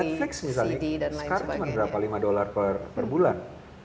netflix misalnya sekarang cuma berapa lima dollar per bulan